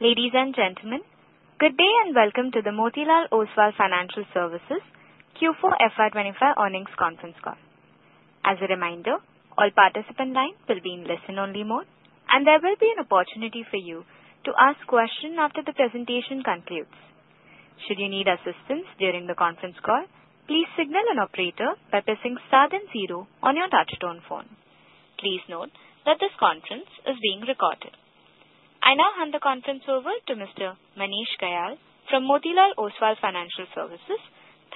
Ladies and gentlemen, good day and welcome to the Motilal Oswal Financial Services Q4 FY25 Earnings Conference Call. As a reminder, all participant lines will be in listen-only mode, and there will be an opportunity for you to ask questions after the presentation concludes. Should you need assistance during the conference call, please signal an operator by pressing star then zero on your touch-tone phone. Please note that this conference is being recorded. I now hand the conference over to Mr. Manish Kayal from Motilal Oswal Financial Services.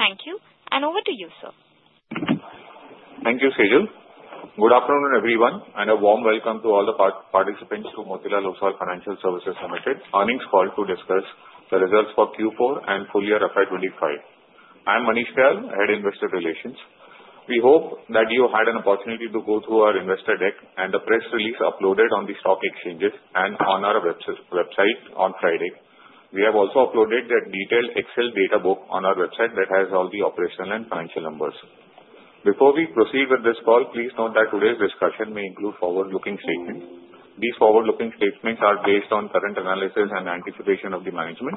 Thank you, and over to you, sir. Thank you, Sejal. Good afternoon, everyone, and a warm welcome to all the participants to Motilal Oswal Financial Services Limited Earnings Call to discuss the results for Q4 and full year FY25. I'm Manish Kayal, Head, investor relations. We hope that you had an opportunity to go through our investor deck and the press release uploaded on the stock exchanges and on our website on Friday. We have also uploaded that detailed Excel data book on our website that has all the operational and financial numbers. Before we proceed with this call, please note that today's discussion may include forward-looking statements. These forward-looking statements are based on current analysis and anticipation of the management.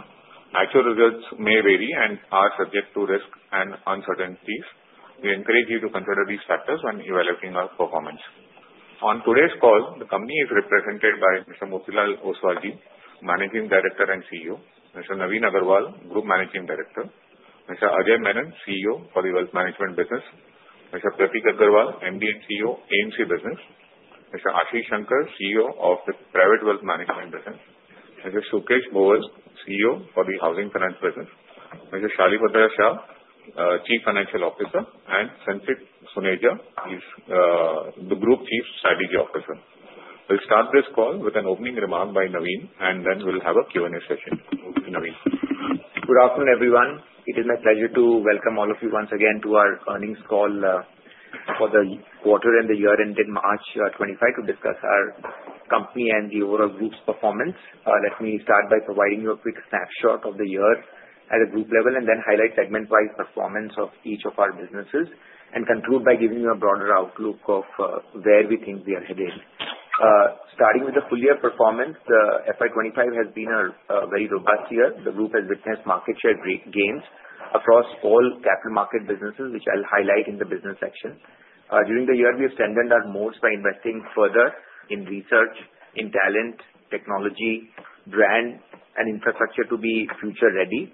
Actual results may vary and are subject to risk and uncertainties. We encourage you to consider these factors when evaluating our performance. On today's call, the company is represented by Mr.Motilal Oswal, Managing Director and CEO; Mr. Navin Agarwal, Group Managing Director; Mr. Ajay Menon, CEO for the Wealth Management Business; Mr. Prateek Agrawal, MD and CEO, AMC Business; Mr. Ashish Shankar, CEO of the Private Wealth Management Business; Mr. Sukesh Bhowal, CEO for the Housing Finance Business; Mr. Shalibhadra Shah, Chief Financial Officer; and Sanchit Suneja, the Group Chief Strategy Officer. We'll start this call with an opening remark by Navin, and then we'll have a Q&A session. Navin. Good afternoon, everyone. It is my pleasure to welcome all of you once again to our earnings call for the quarter and the year ended 31 March, 2025 to discuss our company and the overall group's performance. Let me start by providing you a quick snapshot of the year at a group level, and then highlight segment-wise performance of each of our businesses, and conclude by giving you a broader outlook of where we think we are headed. Starting with the full year performance, the FY25 has been a very robust year. The group has witnessed market share gains across all capital market businesses, which I'll highlight in the business section. During the year, we have strengthened our moats by investing further in research, in talent, technology, brand, and infrastructure to be future-ready.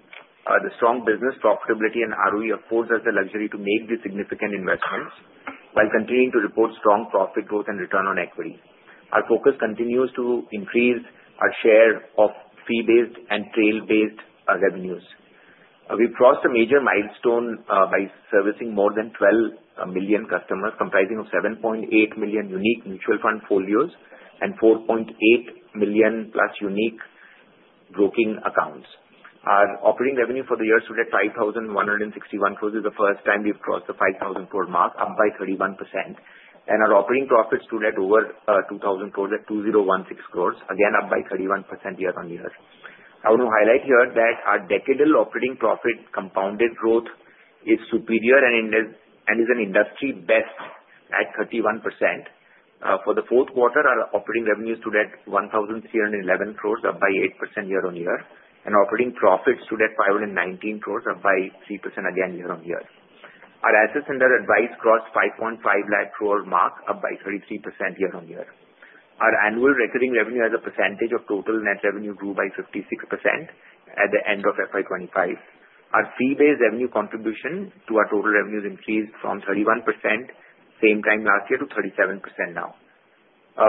The strong business profitability and ROE affords us the luxury to make these significant investments while continuing to report strong profit growth and return on equity. Our focus continues to increase our share of fee-based and trail-based revenues. We've crossed a major milestone by servicing more than 12 million customers, comprising of 7.8 million unique mutual fund folios and 4.8 million plus unique broking accounts. Our operating revenue for the year stood at 5,161 crores, which is the first time we've crossed the 5,000 crore mark, up by 31%, and our operating profit stood at over 2,000 crores, at 2,016 crores, again up by 31% year-on-year. I want to highlight here that our decadal operating profit compounded growth is superior and is an industry best at 31%. For the Q4, our operating revenue stood at 1,311 crores, up by 8% year-on-year, and operating profit stood at 519 crores, up by 3% again year-on-year. Our assets under advised crossed 5.5 lakh crore mark, up by 33% year-on-year. Our annual recurring revenue has a percentage of total net revenue grew by 56% at the end of FY25. Our fee-based revenue contribution to our total revenues increased from 31% same time last year to 37% now.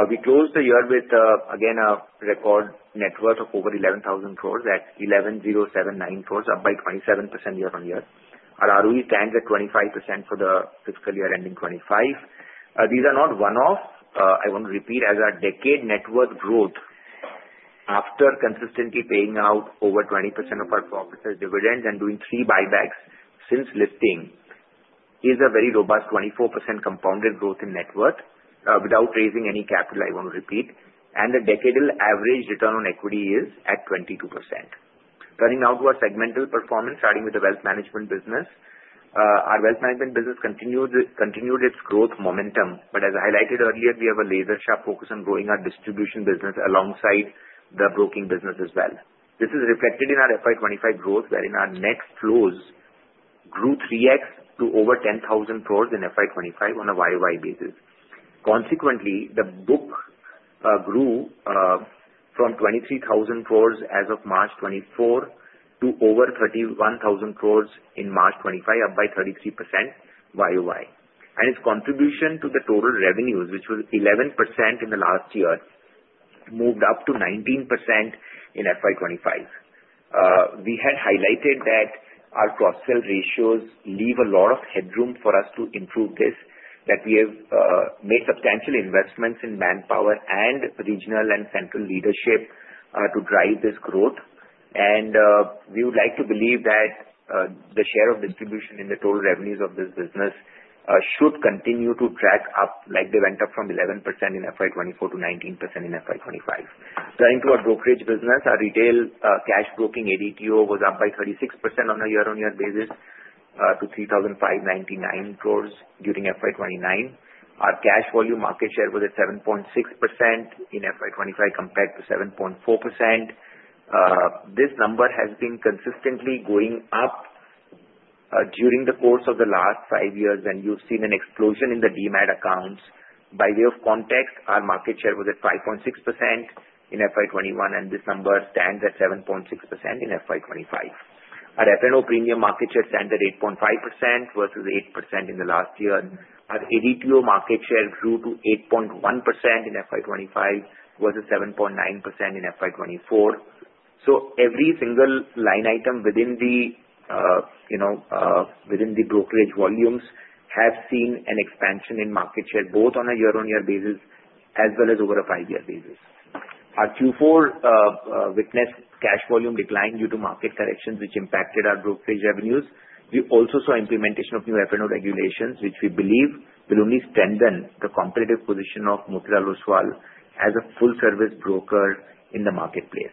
We closed the year with, again, a record net worth of over 11,000 crores at 11,079 crores, up by 27% year-on-year. Our ROE stands at 25% for the fiscal year ending 2025. These are not one-off. I want to repeat, as our decadal net worth growth, after consistently paying out over 20% of our profits as dividends and doing three buybacks since listing, is a very robust 24% compounded growth in net worth without raising any capital. I want to repeat, and the decadal average return on equity is at 22%. Turning now to our segmental performance, starting with the wealth management business. Our wealth management business continued its growth momentum, but as I highlighted earlier, we have a laser-sharp focus on growing our distribution business alongside the broking business as well. This is reflected in our FY25 growth, wherein our net flows grew 3x to over 10,000 crores in FY25 on a YOY basis. Consequently, the book grew from 23,000 crores as of March 2024 to over 31,000 crores in March 2025, up by 33% YOY. Its contribution to the total revenues, which was 11% in the last year, moved up to 19% in FY25. We had highlighted that our cross-sell ratios leave a lot of headroom for us to improve this, that we have made substantial investments in manpower and regional and central leadership to drive this growth, and we would like to believe that the share of distribution in the total revenues of this business should continue to track up like they went up from 11% in FY24 to 19% in FY25. Turning to our brokerage business, our retail cash broking ADTO was up by 36% on a year-on-year basis to 3,599 crores during FY25. Our cash volume market share was at 7.6% in FY25 compared to 7.4%. This number has been consistently going up during the course of the last five years, and you've seen an explosion in the Demat accounts. By way of context, our market share was at 5.6% in FY21, and this number stands at 7.6% in FY25. Our F&O premium market share stands at 8.5% versus 8% in the last year. Our ADTO market share grew to 8.1% in FY25 versus 7.9% in FY24. So every single line item within the brokerage volumes has seen an expansion in market share, both on a year-on-year basis as well as over a five-year basis. Our Q4 witnessed cash volume decline due to market corrections, which impacted our brokerage revenues. We also saw implementation of new F&O regulations, which we believe will only strengthen the competitive position of Motilal Oswal as a full-service broker in the marketplace.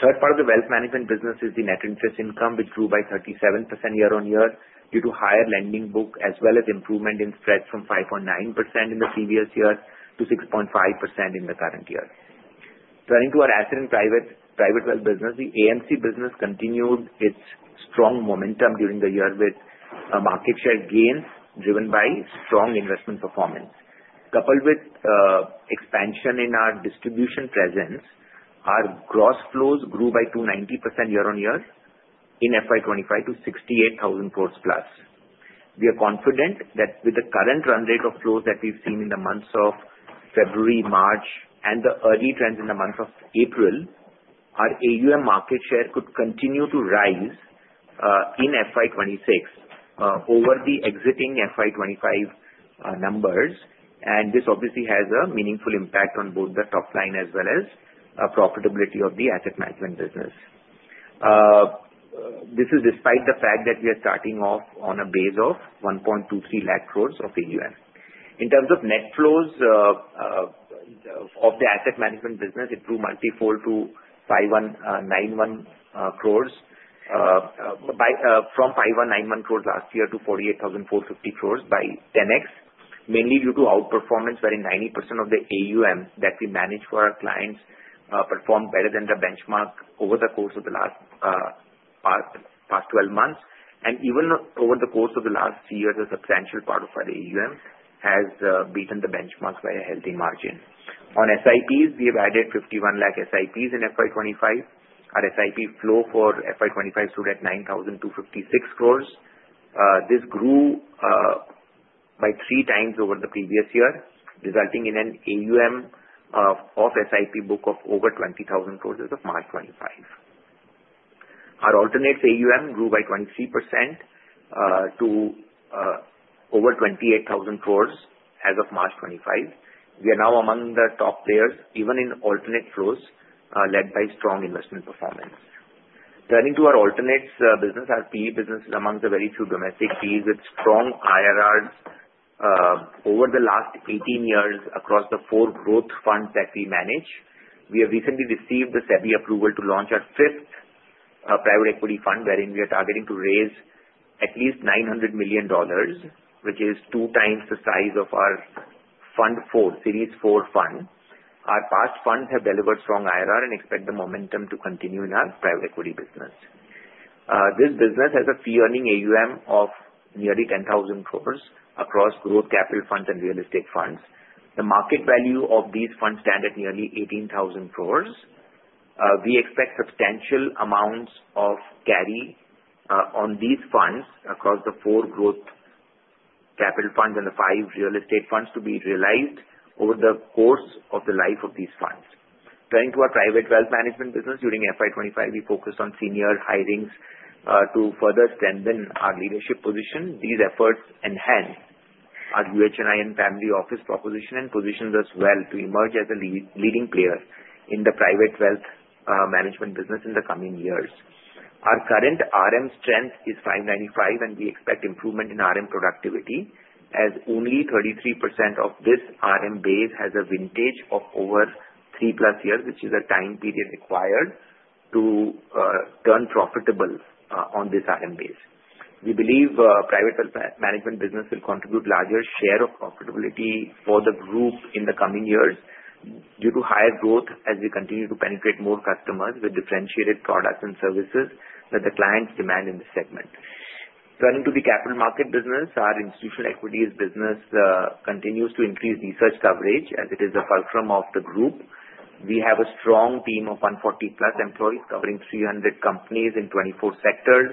Third part of the wealth management business is the net interest income, which grew by 37% year on year due to higher lending book as well as improvement in spreads from 5.9% in the previous year to 6.5% in the current year. Turning to our asset and private wealth business, the AMC business continued its strong momentum during the year with market share gains driven by strong investment performance. Coupled with expansion in our distribution presence, our gross flows grew by 290% year-on-year in FY25 to 68,000 crores plus. We are confident that with the current run rate of flows that we've seen in the months of February, March, and the early trends in the month of April, our AUM market share could continue to rise in FY26 over the existing FY25 numbers, and this obviously has a meaningful impact on both the top line as well as profitability of the asset management business. This is despite the fact that we are starting off on a base of 1.23 lakh crore of AUM. In terms of net flows of the asset management business, it grew multifold to 5,191 crores from 5,191 crores last year to 48,450 crores by 10x, mainly due to outperformance, wherein 90% of the AUM that we manage for our clients performed better than the benchmark over the course of the last past 12 months, and even over the course of the last year, a substantial part of our AUM has beaten the benchmark by a healthy margin. On SIPs, we have added 51 lakh SIPs in FY25. Our SIP flow for FY25 stood at 9,256 crores. This grew by three times over the previous year, resulting in an AUM of SIP book of over 20,000 crores as of March 2025. Our alternate AUM grew by 23% to over 28,000 crores as of March 2025. We are now among the top players, even in alternative flows led by strong investment performance. Turning to our alternatives business, our PE business is among the very few domestic PEs with strong IRRs over the last 18 years across the four growth funds that we manage. We have recently received the SEBI approval to launch our fifth private equity fund, wherein we are targeting to raise at least $900 million, which is two times the size of our fund four, Series Four fund. Our past funds have delivered strong IRR and expect the momentum to continue in our private equity business. This business has a fee-earning AUM of nearly 10,000 crores across growth capital funds and real estate funds. The market value of these funds stands at nearly 18,000 crores. We expect substantial amounts of carry on these funds across the four growth capital funds and the five real estate funds to be realized over the course of the life of these funds. Turning to our private wealth management business, during FY25, we focused on senior hirings to further strengthen our leadership position. These efforts enhance our UHNI family office proposition and position us well to emerge as a leading player in the private wealth management business in the coming years. Our current RM strength is 595, and we expect improvement in RM productivity as only 33% of this RM base has a vintage of over three plus years, which is a time period required to turn profitable on this RM base. We believe private wealth management business will contribute a larger share of profitability for the group in the coming years due to higher growth as we continue to penetrate more customers with differentiated products and services that the clients demand in the segment. Turning to the capital market business, our institutional equities business continues to increase research coverage as it is a fulcrum of the group. We have a strong team of 140-plus employees covering 300 companies in 24 sectors.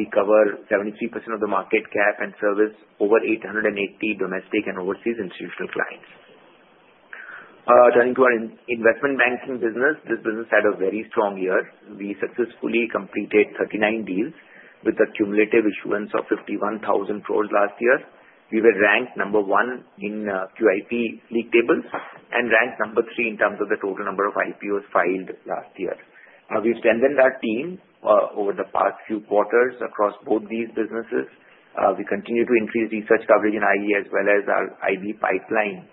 We cover 73% of the market cap and service over 880 domestic and overseas institutional clients. Turning to our investment banking business, this business had a very strong year. We successfully completed 39 deals with a cumulative issuance of 51,000 crores last year. We were ranked number one in QIP league tables and ranked number three in terms of the total number of IPOs filed last year. We've strengthened our team over the past few quarters across both these businesses. We continue to increase research coverage in IE as well as our IB pipeline.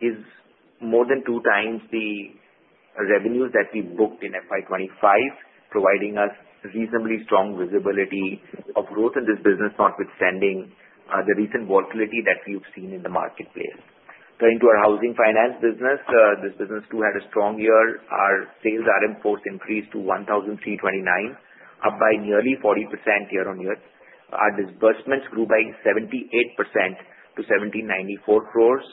It's more than two times the revenues that we booked in FY25, providing us reasonably strong visibility of growth in this business, notwithstanding the recent volatility that we've seen in the marketplace. Turning to our housing finance business, this business too had a strong year. Our sales RM force increased to 1,329, up by nearly 40% year on year. Our disbursements grew by 78% to 1,794 crores.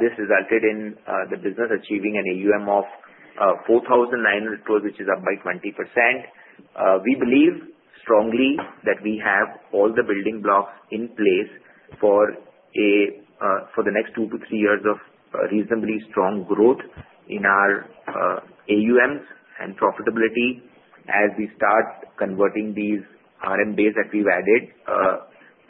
This resulted in the business achieving an AUM of 4,900 crores, which is up by 20%. We believe strongly that we have all the building blocks in place for the next two to three years of reasonably strong growth in our AUMs and profitability as we start converting these RM base that we've added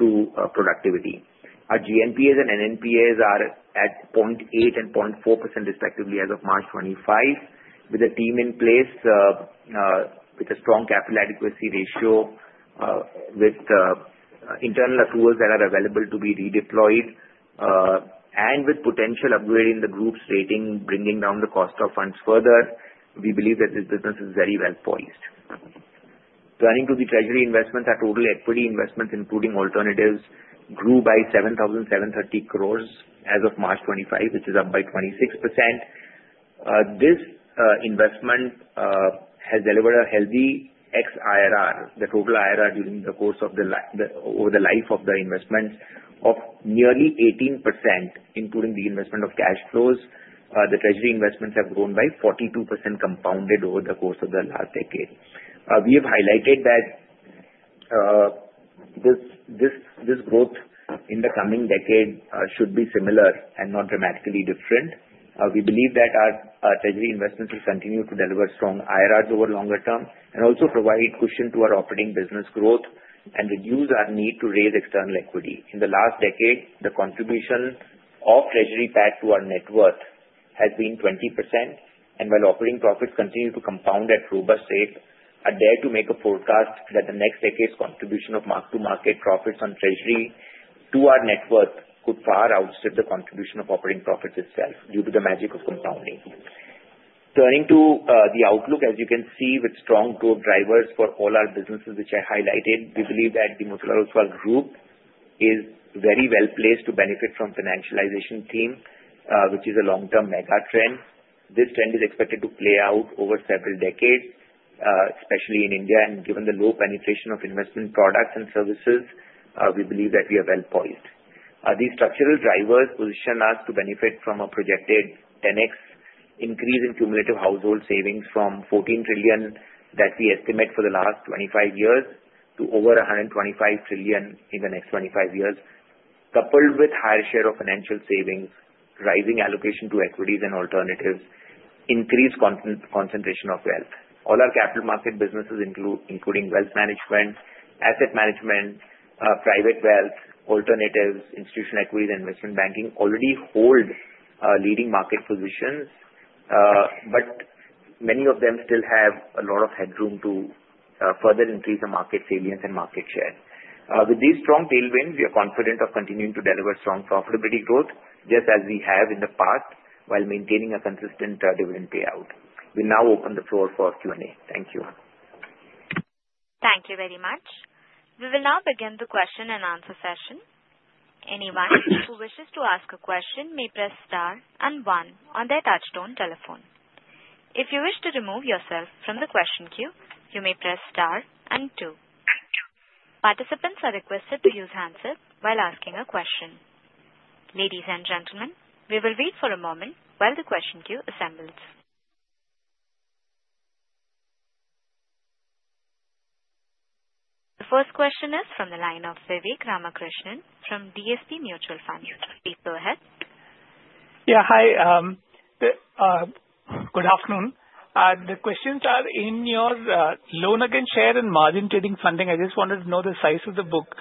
to productivity. Our GNPAs and NNPAs are at 0.8% and 0.4% respectively as of March 2025, with a team in place with a strong capital adequacy ratio, with internal approvals that are available to be redeployed, and with potential upgrade in the group's rating, bringing down the cost of funds further. We believe that this business is very well poised. Turning to the treasury investments, our total equity investments, including alternatives, grew by 7,730 crores as of March 2025, which is up by 26%. This investment has delivered a healthy XIRR, the total IRR during the course of the life of the investments, of nearly 18%, including the investment of cash flows. The treasury investments have grown by 42% compounded over the course of the last decade. We have highlighted that this growth in the coming decade should be similar and not dramatically different. We believe that our treasury investments will continue to deliver strong IRRs over longer term and also provide cushion to our operating business growth and reduce our need to raise external equity. In the last decade, the contribution of treasury PAT to our net worth has been 20%, and while operating profits continue to compound at robust rate, I dare to make a forecast that the next decade's contribution of mark-to-market profits on treasury to our net worth could far outstrip the contribution of operating profits itself due to the magic of compounding. Turning to the outlook, as you can see, with strong growth drivers for all our businesses, which I highlighted, we believe that the Motilal Oswal group is very well placed to benefit from financialization theme, which is a long-term mega trend. This trend is expected to play out over several decades, especially in India, and given the low penetration of investment products and services, we believe that we are well poised. These structural drivers position us to benefit from a projected 10x increase in cumulative household savings from 14 trillion that we estimate for the last 25 years to over 125 trillion in the next 25 years, coupled with a higher share of financial savings, rising allocation to equities and alternatives, and increased concentration of wealth. All our capital market businesses, including wealth management, asset management, private wealth, alternatives, institutional equities, and investment banking, already hold leading market positions, but many of them still have a lot of headroom to further increase the market salience and market share. With these strong tailwinds, we are confident of continuing to deliver strong profitability growth just as we have in the past while maintaining a consistent dividend payout. We'll now open the floor for Q&A. Thank you. Thank you very much. We will now begin the question and answer session. Anyone who wishes to ask a question may press star and one on their touchtone telephone. If you wish to remove yourself from the question queue, you may press star and two. Participants are requested to use the handset while asking a question. Ladies and gentlemen, we will wait for a moment while the question queue assembles. The first question is from the line of Vivek Ramakrishnan from DSP Mutual Funds. Vivek, go ahead. Yeah, hi. Good afternoon. The questions are in your loan against securities and margin trading funding. I just wanted to know the size of the book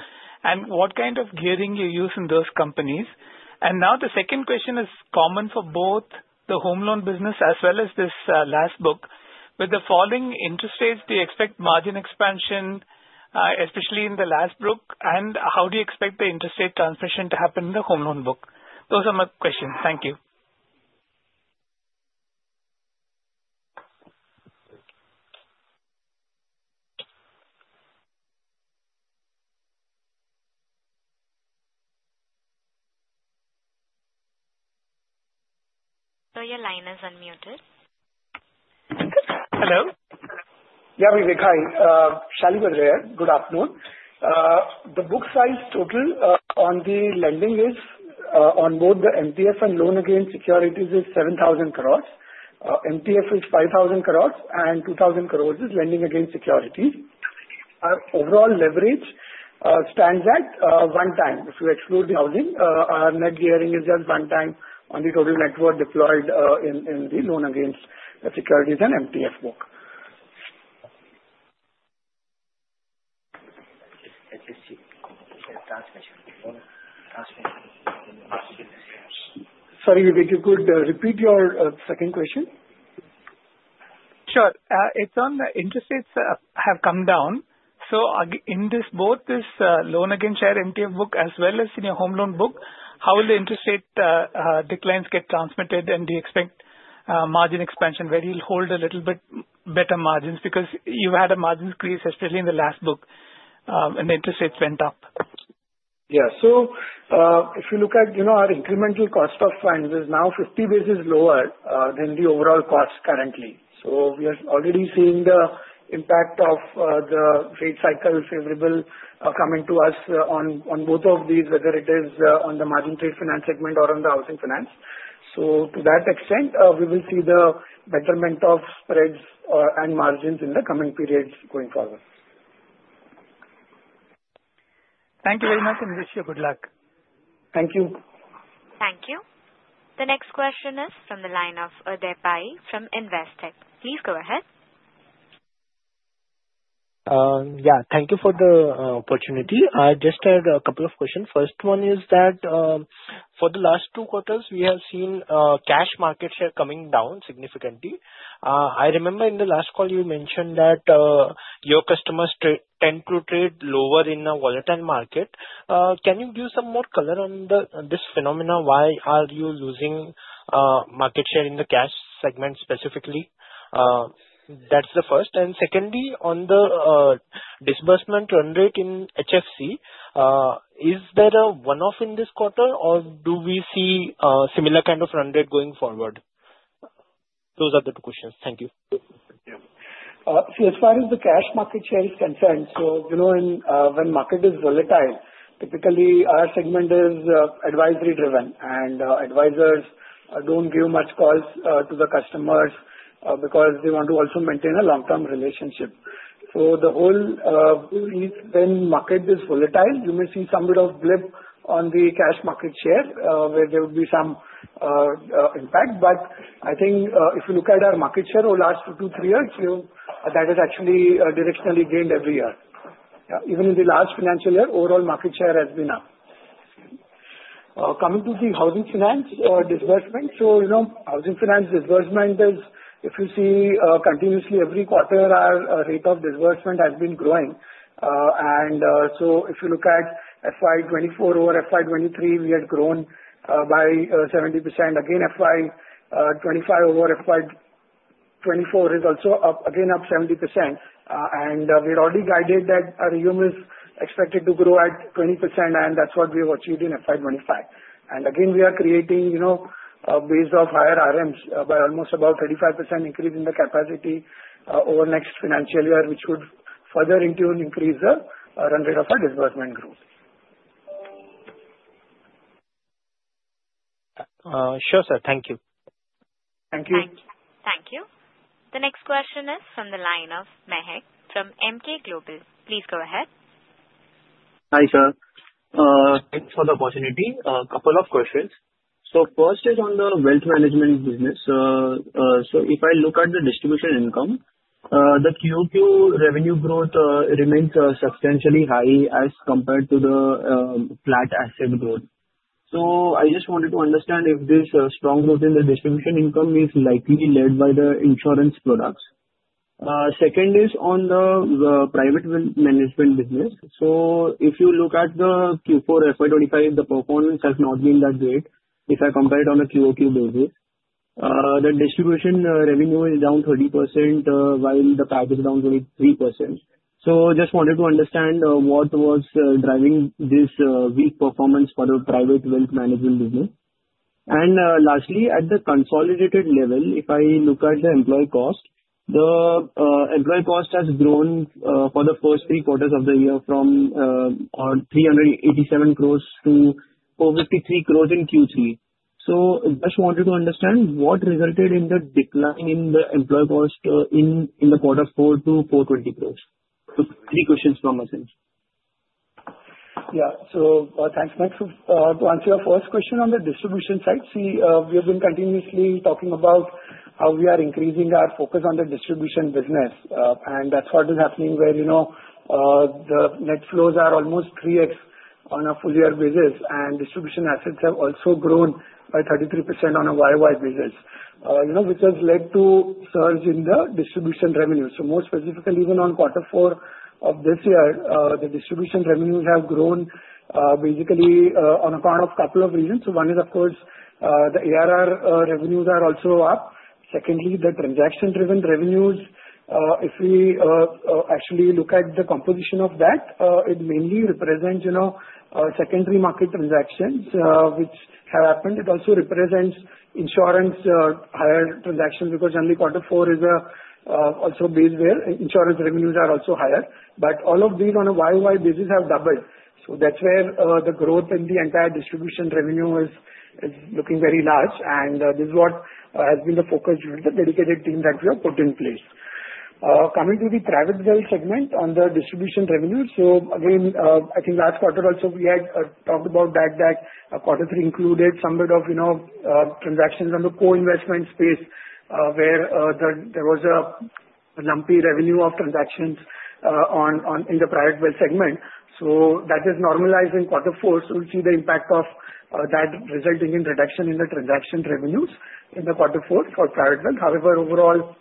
and what kind of gearing you use in those companies. And now the second question is common for both the home loan business as well as this LAS book. With the falling interest rates, do you expect margin expansion, especially in the LAS book, and how do you expect the interest rate transmission to happen in the home loan book? Those are my questions. Thank you. So your line is unmuted. Hello. Yeah, Vivek, hi. Shalibhadra here. Good afternoon. The book size total on the lending is on both the MTF and loan against securities is 7,000 crores. MTF is 5,000 crores, and 2,000 crores is lending against securities. Our overall leverage stands at one time. If you exclude the housing, our net gearing is just one time on the total net worth deployed in the loan against securities and MTF book. Sorry, Vivek, you could repeat your second question? Sure. It's on the interest rates have come down. So in both this loan against securities MTF book as well as in your home loan book, how will the interest rate declines get transmitted, and do you expect margin expansion where you'll hold a little bit better margins? Because you had a margin increase, especially in the last book, and the interest rates went up. Yeah. So if you look at our incremental cost of funds, it is now 50 basis points lower than the overall cost currently. So we are already seeing the impact of the trade cycle favorable coming to us on both of these, whether it is on the margin trade finance segment or on the housing finance. So to that extent, we will see the betterment of spreads and margins in the coming periods going forward. Thank you very much, and wish you good luck. Thank you. Thank you. The next question is from the line of Uday Pai from Investec. Please go ahead. Yeah. Thank you for the opportunity. I just had a couple of questions. First one is that for the last two quarters, we have seen cash market share coming down significantly. I remember in the last call, you mentioned that your customers tend to trade lower in a volatile market. Can you give some more color on this phenomenon? Why are you losing market share in the cash segment specifically? That's the first. And secondly, on the disbursement run rate in HFC, is there a one-off in this quarter, or do we see a similar kind of run rate going forward? Those are the two questions. Thank you. Yeah. See, as far as the cash market share is concerned, so when market is volatile, typically our segment is advisory-driven, and advisors don't give much calls to the customers because they want to also maintain a long-term relationship. So the whole reason market is volatile, you may see somewhat of blip on the cash market share where there would be some impact. But I think if you look at our market share over the last two, three years, that has actually directionally gained every year. Even in the last financial year, overall market share has been up. Coming to the housing finance disbursement, so housing finance disbursement is, if you see, continuously every quarter, our rate of disbursement has been growing. And so if you look at FY24 over FY23, we had grown by 70%. Again, FY25 over FY24 is also up, again, up 70%. And we already guided that our AUM is expected to grow at 20%, and that's what we have achieved in FY25. And again, we are creating a base of higher RMs by almost about 35% increase in the capacity over next financial year, which would further in tune increase the run rate of our disbursement group. Sure, sir. Thank you. Thank you. Thank you. The next question is from the line of Mahek from Emkay Global Financial Services. Please go ahead. Hi, sir. Thanks for the opportunity. A couple of questions. So first is on the wealth management business. So if I look at the distribution income, the QoQ revenue growth remains substantially high as compared to the flat asset growth. So I just wanted to understand if this strong growth in the distribution income is likely led by the insurance products. Second is on the private wealth management business. So if you look at the Q4 FY25, the performance has not been that great. If I compare it on a QoQ basis, the distribution revenue is down 30% while the PAT is down 23%. So I just wanted to understand what was driving this weak performance for the private wealth management business. And lastly, at the consolidated level, if I look at the employee cost, the employee cost has grown for the first three quarters of the year from 387 crore to 453 crore in Q3.So I just wanted to understand what resulted in the decline in the employee cost in Q4 to 420 crore. Three questions from my side. Yeah. Thanks, Mahek. To answer your first question on the distribution side, see, we have been continuously talking about how we are increasing our focus on the distribution business. And that's what is happening where the net flows are almost 3x on a full year basis, and distribution assets have also grown by 33% on a YoY basis, which has led to a surge in the distribution revenue. More specifically, even on Q4 of this year, the distribution revenues have grown basically on account of a couple of reasons. One is, of course, the ARR revenues are also up. Secondly, the transaction-driven revenues, if we actually look at the composition of that, it mainly represents secondary market transactions which have happened. It also represents insurance higher transactions because only Q4 is also based where insurance revenues are also higher. But all of these on a YoY basis have doubled. So that's where the growth in the entire distribution revenue is looking very large, and this is what has been the focus with the dedicated team that we have put in place. Coming to the private wealth segment on the distribution revenue, so again, I think last quarter also we had talked about that Q3 included somewhat of transactions on the co-investment space where there was a lumpy revenue of transactions in the private wealth segment. So that is normalized in Q4. So we see the impact of that resulting in reduction in the transaction revenues in the Q4 for private wealth. However, overall,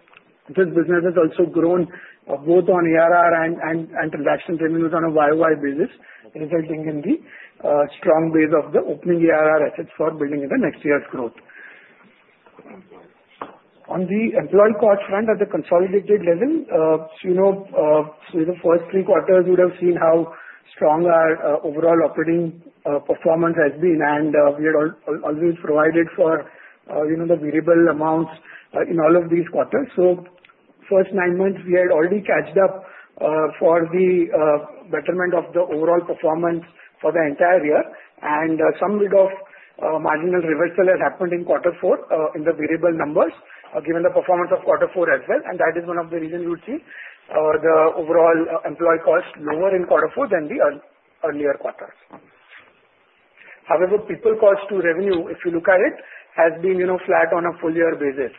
this business has also grown both on ARR and transaction revenues on a YoY basis, resulting in the strong base of the opening ARR assets for building the next year's growth. On the employee cost front at the consolidated level, so the first three quarters you would have seen how strong our overall operating performance has been, and we had always provided for the variable amounts in all of these quarters. So first nine months, we had already caught up for the betterment of the overall performance for the entire year, and somewhat of marginal reversal has happened in Q4 in the variable numbers given the performance of Q4 as well. That is one of the reasons you would see the overall employee cost lower in Q4 than the earlier quarters. However, people cost to revenue, if you look at it, has been flat on a full year basis.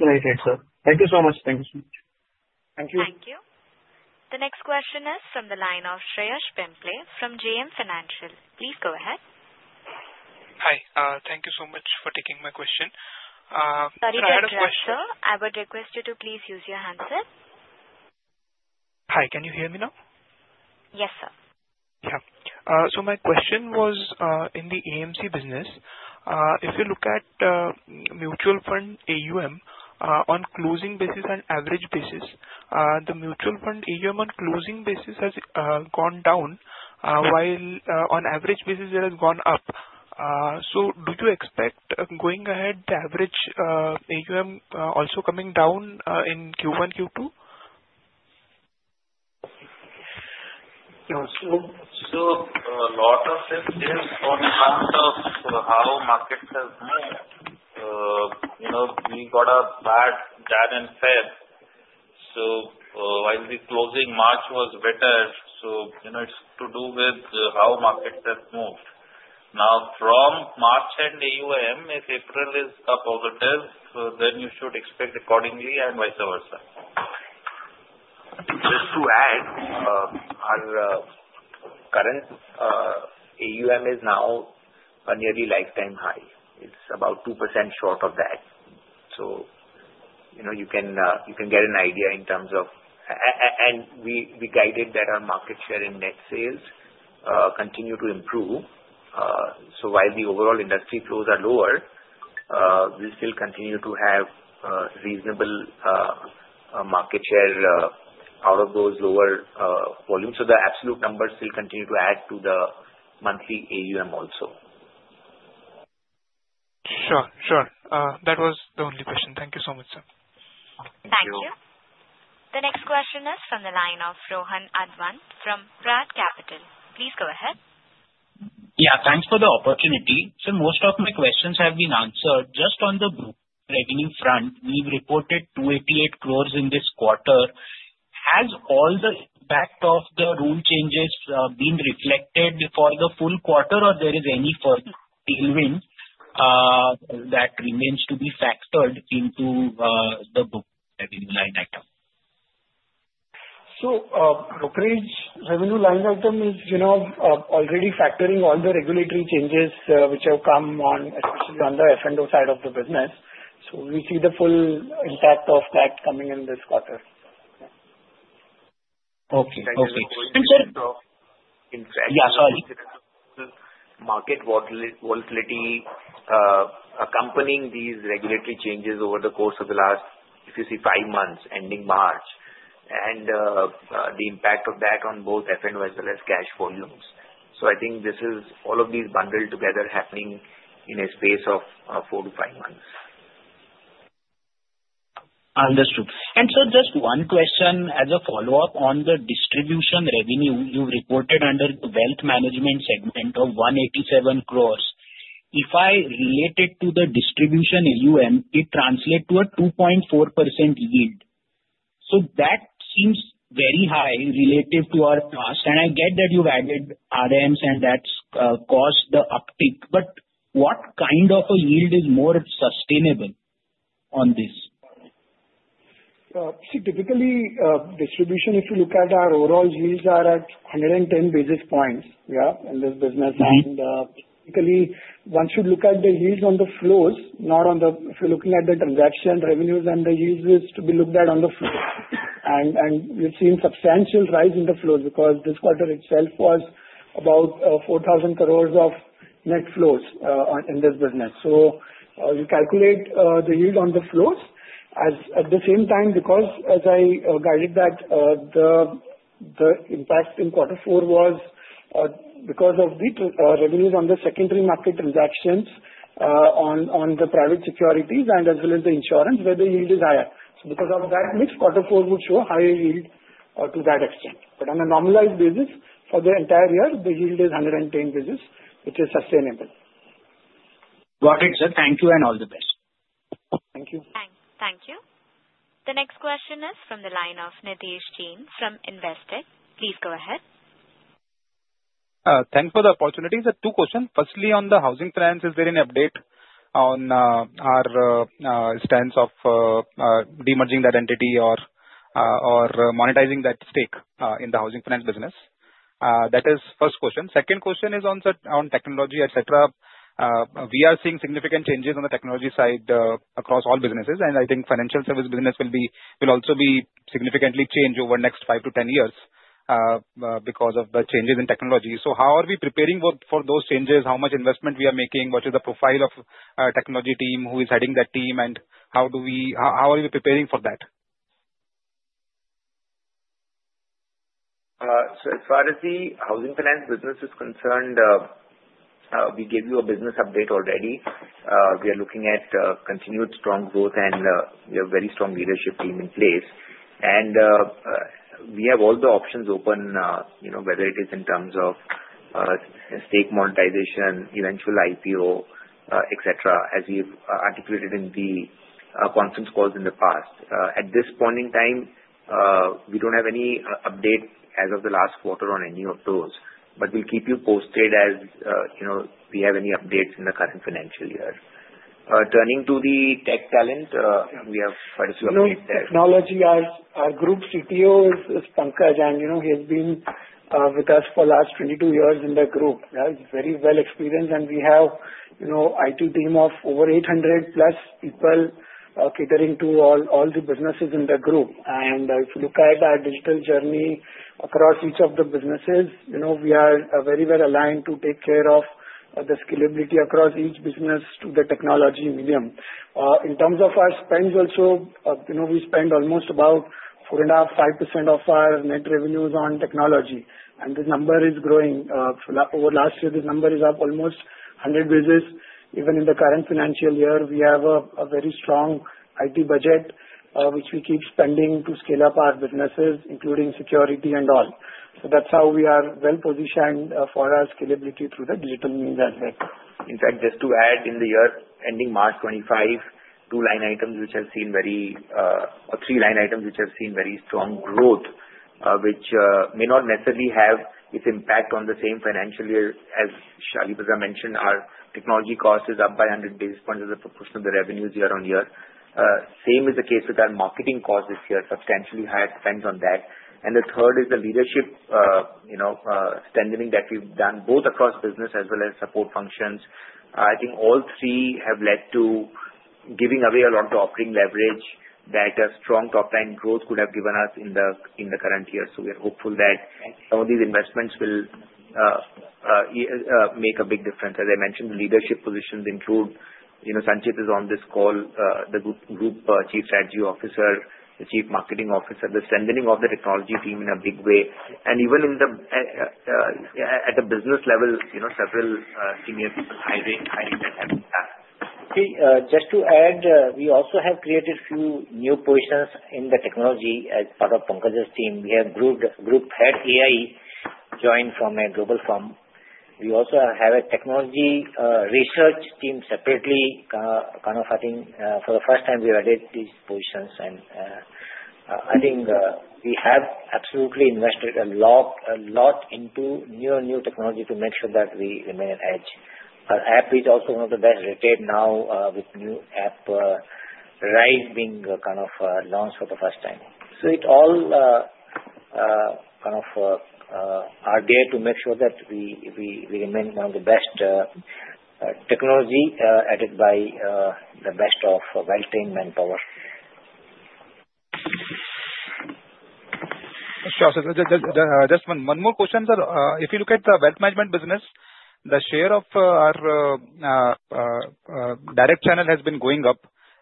Right, right, sir. Thank you so much. Thank you so much. Thank you. Thank you. The next question is from the line of Shreyas Pimple from JM Financial. Please go ahead. Hi. Thank you so much for taking my question. Sorry, Vivek. If I had a question. I would request you to please use your hands up. Hi. Can you hear me now? Yes, sir. Yeah. So my question was in the AMC business. If you look at mutual fund AUM on closing basis and average basis, the mutual fund AUM on closing basis has gone down, while on average basis, it has gone up. So do you expect going ahead, the average AUM also coming down in Q1, Q2? So a lot of it is on account of how markets have moved. We got a bad data in Feb. So while the closing March was better, so it's to do with how markets have moved. Now, from March and AUM, if April is positive, then you should expect accordingly and vice versa. Just to add, our current AUM is now a nearly lifetime high. It's about 2% short of that. So you can get an idea in terms of and we guided that our market share in net sales continue to improve. So while the overall industry flows are lower, we still continue to have reasonable market share out of those lower volumes. So the absolute numbers still continue to add to the monthly AUM also. Sure, sure. That was the only question. Thank you so much, sir. Thank you. The next question is from the line of Rohan Advani from Parth Capital. Please go ahead. Yeah. Thanks for the opportunity. So most of my questions have been answered. Just on the brokerage revenue front, we've reported 288 crores in this quarter. Has all the impact of the rule changes been reflected for the full quarter, or there is any further tailwind that remains to be factored into the brokerage revenue line item? So brokerage revenue line item is already factoring all the regulatory changes which have come on, especially on the F&O side of the business. So we see the full impact of that coming in this quarter. Okay. Okay. And so. Yeah. Sorry. Market volatility accompanying these regulatory changes over the course of the last, if you see, five months ending March, and the impact of that on both F&O as well as cash volumes. So I think this is all of these bundled together happening in a space of four to five months. Understood. And sir, just one question as a follow-up on the distribution revenue. You've reported under the wealth management segment of 187 crores. If I relate it to the distribution AUM, it translates to a 2.4% yield. So that seems very high relative to our cost. And I get that you've added RMs, and that's caused the uptick. But what kind of a yield is more sustainable on this? See, typically, distribution, if you look at our overall yields, are at 110 basis points, yeah, in this business. Typically, one should look at the yields on the flows, not on the if you're looking at the transaction revenues and the yields. It's to be looked at on the flows. We've seen substantial rise in the flows because this quarter itself was about 4,000 crores of net flows in this business. You calculate the yield on the flows at the same time because, as I guided that, the impact in quarter 4 was because of the revenues on the secondary market transactions on the private securities and as well as the insurance, where the yield is higher. Because of that, next Q4 would show higher yield to that extent. On a normalized basis, for the entire year, the yield is 110 basis points, which is sustainable. Got it, sir. Thank you, and all the best. Thank you. Thank you. The next question is from the line of Nidhesh Jain from Investec. Please go ahead. Thanks for the opportunity. There are two questions. Firstly, on the housing finance, is there any update on our stance of demerging that entity or monetizing that stake in the housing finance business? That is the first question. Second question is on technology, etc. We are seeing significant changes on the technology side across all businesses, and I think financial service business will also be significantly changed over the next five to 10 years because of the changes in technology. So how are we preparing for those changes? How much investment we are making? What is the profile of our technology team? Who is heading that team? And how are we preparing for that? So as far as the housing finance business is concerned, we gave you a business update already. We are looking at continued strong growth, and we have a very strong leadership team in place, and we have all the options open, whether it is in terms of stake monetization, eventual IPO, etc., as we've articulated in the conference calls in the past. At this point in time, we don't have any update as of the last quarter on any of those, but we'll keep you posted as we have any updates in the current financial year. Turning to the tech talent, we have quite a few updates there. Technology, our group CTO is Pankaj, and he has been with us for the last 22 years in the group. He's very well experienced, and we have an IT team of over 800 plus people catering to all the businesses in the group. If you look at our digital journey across each of the businesses, we are very well aligned to take care of the scalability across each business to the technology medium. In terms of our spends, also, we spend almost about 4.5% of our net revenues on technology. This number is growing. Over the last year, this number is up almost 100 basis points. Even in the current financial year, we have a very strong IT budget, which we keep spending to scale up our businesses, including security and all. That's how we are well positioned for our scalability through the digital means as well. In fact, just to add, in the year ending March 2025, three line items which have seen very strong growth, which may not necessarily have its impact on the same financial year as Shalibhadra mentioned, our technology cost is up by 100 basis points as a proportion of the revenues year-on-year. Same is the case with our marketing cost this year, substantially higher spend on that. The third is the leadership strengthening that we've done both across business as well as support functions. I think all three have led to giving away a lot of the operating leverage that a strong top-line growth could have given us in the current year. We are hopeful that some of these investments will make a big difference. As I mentioned, the leadership positions include Sanchit is on this call, the Group Chief Strategy Officer, the chief marketing officer, the strengthening of the technology team in a big way. And even at the business level, several senior people hiring that have been done. Okay. Just to add, we also have created a few new positions in the technology as part of Pankaj's team. We have group head AI joined from a global firm. We also have a technology research team separately. Kind of, I think for the first time, we've added these positions. And I think we have absolutely invested a lot into new and new technology to make sure that we remain at edge. Our app is also one of the best rated now, with new app RISE being kind of launched for the first time. So it's all kind of our way to make sure that we remain one of the best, technology aided by the best of well-trained manpower. Sure, so just one more question, sir. If you look at the wealth management business, the share of our direct channel has been going up,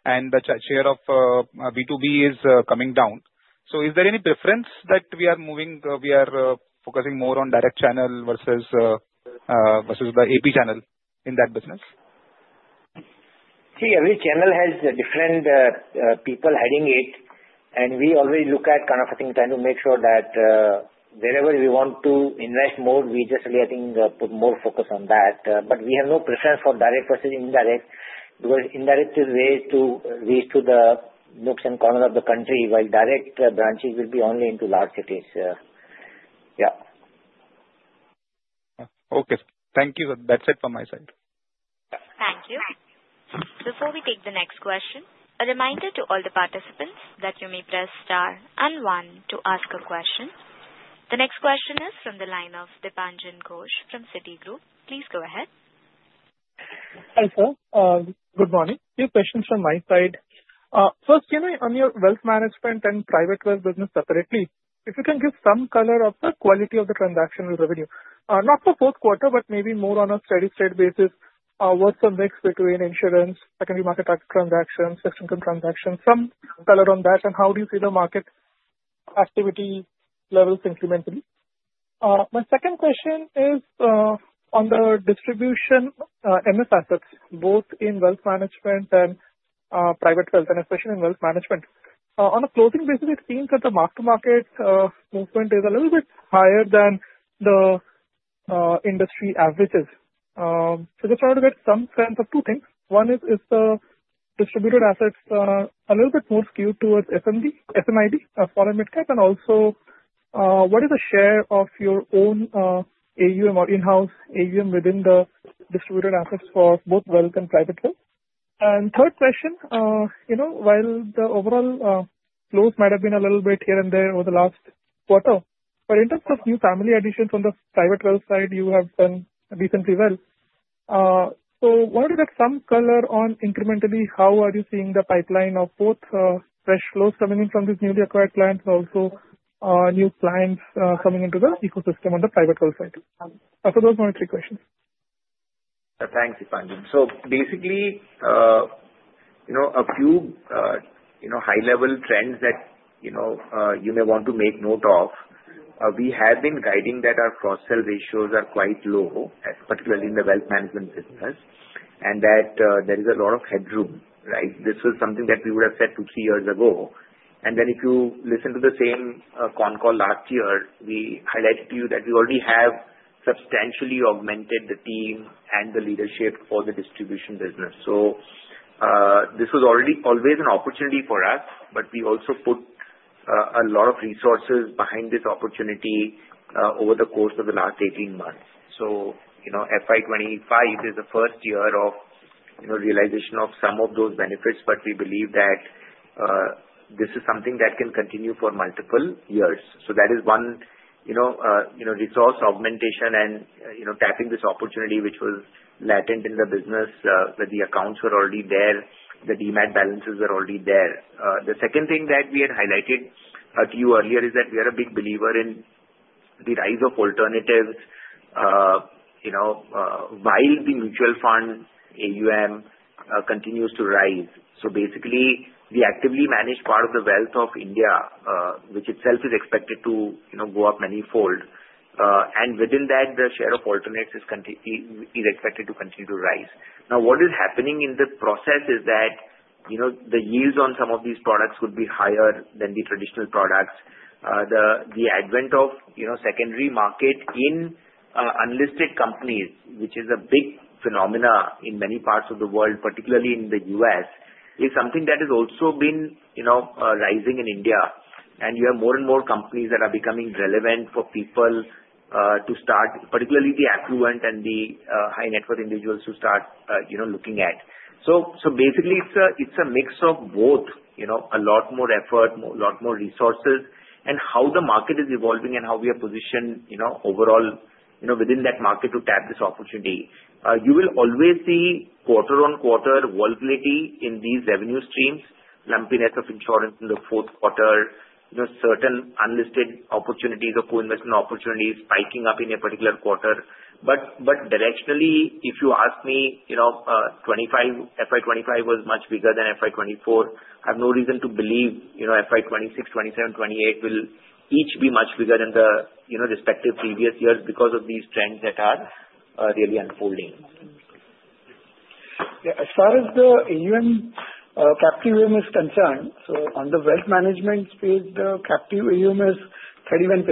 and the share of B2B is coming down. Is there any preference that we are focusing more on direct channel versus the AP channel in that business? See, every channel has different people heading it. We always look at kind of, I think, trying to make sure that wherever we want to invest more, we just really, I think, put more focus on that. But we have no preference for direct versus indirect because indirect is a way to reach to the nooks and corners of the country, while direct branches will be only into large cities. Yeah. Okay. Thank you. That's it from my side. Thank you. Before we take the next question, a reminder to all the participants that you may press star and one to ask a question. The next question is from the line of Dipanjan Ghosh from Citigroup. Please go ahead. Hi, sir. Good morning. A few questions from my side. First, on your wealth management and private wealth business separately, if you can give some color on the quality of the transactional revenue, not for Q4, but maybe more on a steady-state basis, what's the mix between insurance, secondary market transactions, fixed income transactions, some color on that, and how do you see the market activity levels incrementally? My second question is on the distributed MF assets, both in wealth management and private wealth, and especially in wealth management. On a closing basis, it seems that the mark-to-market movement is a little bit higher than the industry averages. So just trying to get some sense of two things. One is, is the distributed assets a little bit more skewed towards SMID, foreign midcap, and also what is the share of your own AUM or in-house AUM within the distributed assets for both wealth and private wealth? And third question, while the overall flows might have been a little bit here and there over the last quarter, but in terms of new family additions on the private wealth side, you have done reasonably well. So, what is that? Some color on incrementally how are you seeing the pipeline of both fresh flows coming in from these newly acquired clients, also new clients coming into the ecosystem on the private wealth side? So those are my three questions. Thanks, Dipanjan. So basically, a few high-level trends that you may want to make note of. We have been guiding that our cross-sale ratios are quite low, particularly in the wealth management business, and that there is a lot of headroom, right? This was something that we would have said two, three years ago. And then if you listen to the same con call last year, we highlighted to you that we already have substantially augmented the team and the leadership for the distribution business. So this was always an opportunity for us, but we also put a lot of resources behind this opportunity over the course of the last 18 months. So FY25 is the first year of realization of some of those benefits, but we believe that this is something that can continue for multiple years. So that is one resource augmentation and tapping this opportunity, which was latent in the business, where the accounts were already there, the DMAT balances were already there. The second thing that we had highlighted to you earlier is that we are a big believer in the rise of alternatives while the mutual fund AUM continues to rise. So basically, the actively managed part of the wealth of India, which itself is expected to go up many-fold. And within that, the share of alternatives is expected to continue to rise. Now, what is happening in the process is that the yields on some of these products would be higher than the traditional products. The advent of secondary market in unlisted companies, which is a big phenomenon in many parts of the world, particularly in the US, is something that has also been rising in India. And you have more and more companies that are becoming relevant for people to start, particularly the affluent and the high-net-worth individuals to start looking at. So basically, it's a mix of both, a lot more effort, a lot more resources, and how the market is evolving and how we are positioned overall within that market to tap this opportunity. You will always see quarter-on-quarter volatility in these revenue streams, lumpiness of insurance in the fourth quarter, certain unlisted opportunities or co-investment opportunities spiking up in a particular quarter. But directionally, if you ask me, FY25 was much bigger than FY24. I have no reason to believe FY26, 27, 28 will each be much bigger than the respective previous years because of these trends that are really unfolding. Yeah. As far as the AUM captive AUM is concerned, so on the wealth management space, the captive AUM is 31%,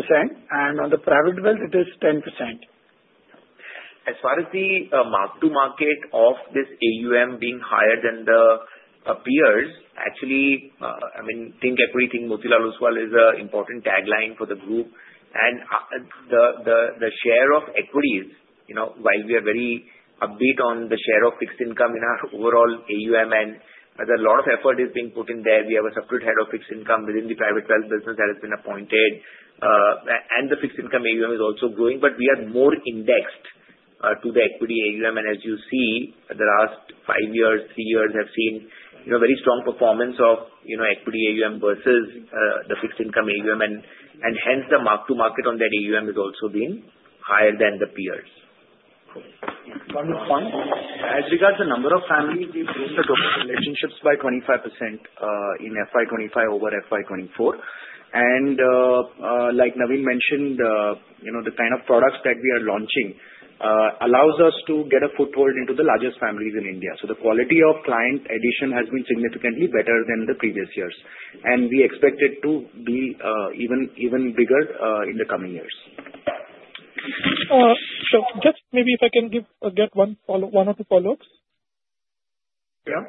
and on the private wealth, it is 10%. As far as the mark-to-market of this AUM being higher than the peers, actually, I mean, think equity, think Motilal Oswal is an important tagline for the group. And the share of equities, while we are very upbeat on the share of fixed income in our overall AUM, and a lot of effort is being put in there. We have a separate head of fixed income within the private wealth business that has been appointed, and the fixed income AUM is also growing, but we are more indexed to the equity AUM. And as you see, the last five years, three years have seen very strong performance of equity AUM versus the fixed income AUM, and hence the mark-to-market on that AUM has also been higher than the peers. One more point. As regards the number of families, we've grown the total relationships by 25% in FY25 over FY24. And like Navin mentioned, the kind of products that we are launching allows us to get a foothold into the largest families in India. So the quality of client addition has been significantly better than the previous years, and we expect it to be even bigger in the coming years. Sure. Just maybe if I can get one or two follow-ups. Yeah.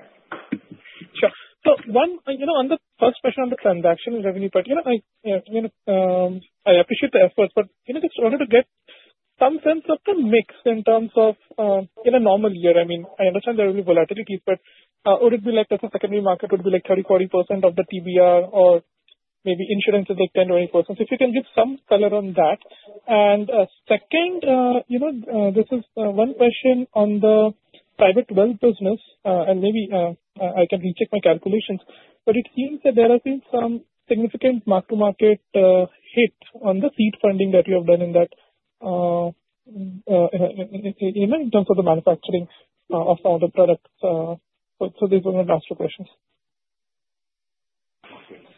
Sure. So on the first question on the transactional revenue part, I appreciate the effort, but just wanted to get some sense of the mix in terms of in a normal year. I mean, I understand there will be volatilities, but would it be like the secondary market would be like 30%-40% of the TBR, or maybe insurance is like 10%-20%? So if you can give some color on that. And second, this is one question on the private wealth business, and maybe I can recheck my calculations, but it seems that there has been some significant mark-to-market hit on the seed funding that you have done in that in terms of the manufacturing of some of the products. So these are my last two questions.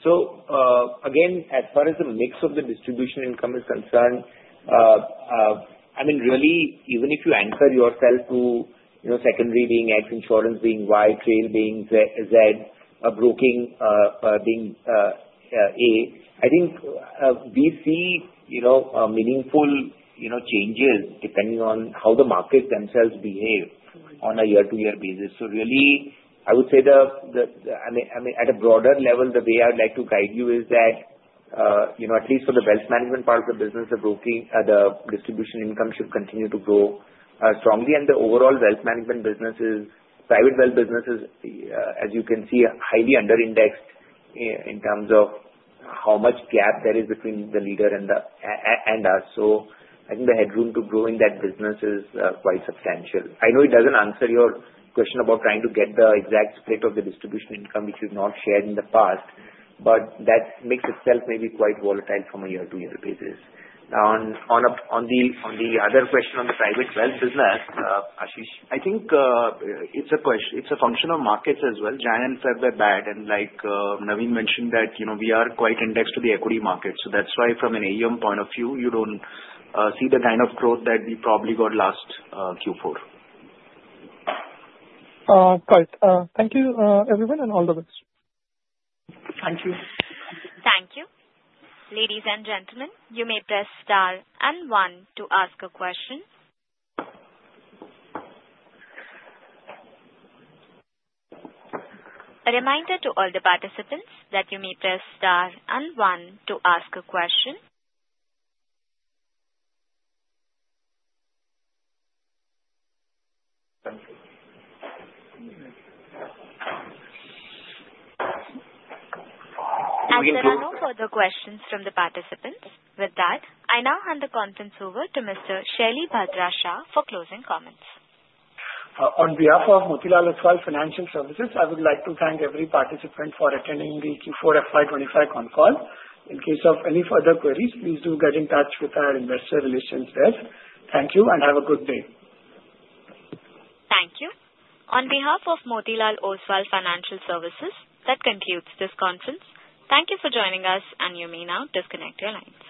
So again, as far as the mix of the distribution income is concerned, I mean, really, even if you anchor yourself to secondary being X, insurance being Y, trail being Z, broking being A, I think we see meaningful changes depending on how the markets themselves behave on a year-to-year basis. So really, I would say that, I mean, at a broader level, the way I would like to guide you is that at least for the wealth management part of the business, the distribution income should continue to grow strongly. The overall wealth management businesses, private wealth businesses, as you can see, are highly under-indexed in terms of how much gap there is between the leader and us. So I think the headroom to grow in that business is quite substantial. I know it doesn't answer your question about trying to get the exact split of the distribution income, which we've not shared in the past, but that makes itself maybe quite volatile from a year-to-year basis. Now, on the other question on the private wealth business, Ashish, I think it's a function of markets as well. January and February were bad, and like Navin mentioned that we are quite indexed to the equity market. So that's why from an AUM point of view, you don't see the kind of growth that we probably got last Q4. Got it. Thank you, everyone, and all the best. Thank you. Thank you. Ladies and gentlemen, you may press star and one to ask a question. A reminder to all the participants that you may press star and one to ask a question, and we have no further questions from the participants. With that, I now hand the conference over to Mr. Shalibhadra Shah for closing comments. On behalf of Motilal Oswal Financial Services, I would like to thank every participant for attending the Q4 FY25 con call. In case of any further queries, please do get in touch with our investor relations desk. Thank you, and have a good day. Thank you. On behalf of Motilal Oswal Financial Services that concludes this conference, thank you for joining us, and you may now disconnect your line.